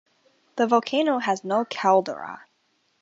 The volcano has no caldera.